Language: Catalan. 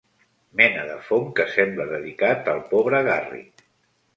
Mena de fong que sembla dedicat al pobre Garrick.